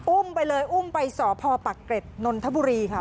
อุ้มไปเลยอุ้มไปสพปักเกร็ดนนทบุรีค่ะ